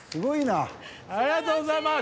ありがとうございます。